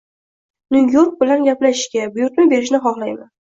Nyu-York bilan gaplashishga buyurtma berishni xohlayman.